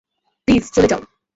Please চলে যাও।